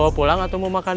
kamu nggak punya kue